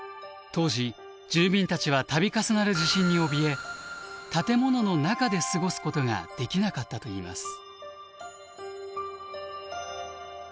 当時住民たちはたび重なる地震におびえ建物の中で過ごすことができなかったといいます。